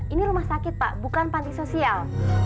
ini rumah sakit pak bukan panti sosial